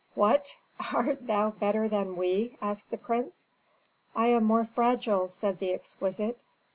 "What! Art thou better than we?" asked the prince. "I am more fragile," said the exquisite.